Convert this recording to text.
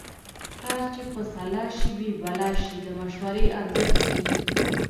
کار چې په سلا شي بې بلا شي د مشورې ارزښت ښيي